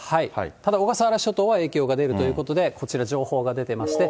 ただ小笠原諸島には影響が出るということで、こちら、情報が出ていまして。